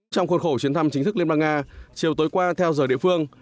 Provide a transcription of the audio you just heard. trong khuôn khổ chuyến thăm chính thức liên bang nga chiều tối qua theo giờ địa phương